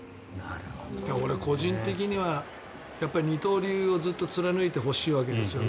俺、個人的には二刀流をずっと貫いてほしいわけです。